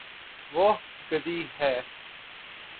وہ گدی ہے